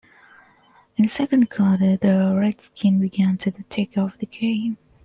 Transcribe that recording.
In the second quarter, the Redskins began to take over the game.